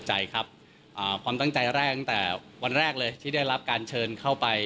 ใจครับความตั้งใจแรกตั้งแต่วันแรกเลยที่ได้รับการเชิญเข้าไป